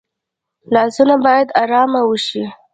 لاسونه باید آرام وشي